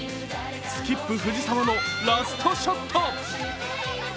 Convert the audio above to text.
スキップ藤澤のラストショット。